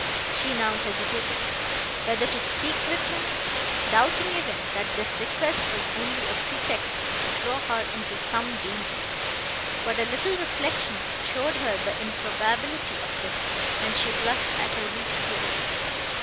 She now hesitated, whether to speak with him, doubting even, that this request was only a pretext to draw her into some danger; but a little reflection showed her the improbability of this, and she blushed at her weak fears.